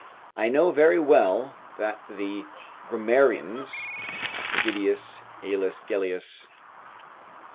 I know very well that the grammarians [Nigidius, Aulus Gellius, xi.